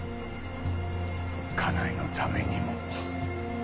家内のためにも。